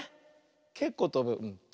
けっこうとぶ。